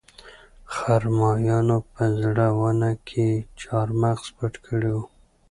خرمایانو په زړه ونه کې چارمغز پټ کړي وو